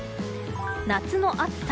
夏の暑さ。